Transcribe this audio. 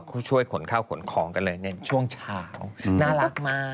เขาช่วยขนข้าวขนของกันเลยในช่วงเช้าน่ารักมาก